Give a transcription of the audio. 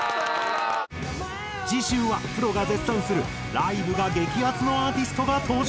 次週はプロが絶賛するライブが激アツのアーティストが登場！